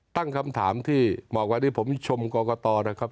ตั้งคำถามที่เหมาะกว่าอันนี้ผมชมกรกฎาตัว